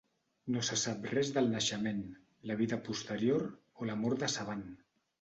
No se sap res del naixement, la vida posterior o la mort de Saban.